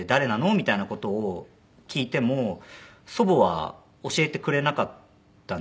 みたいな事を聞いても祖母は教えてくれなかったんですね。